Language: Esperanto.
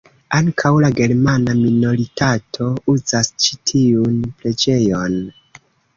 Ankaŭ la germana minoritato uzas ĉi tiun preĝejon.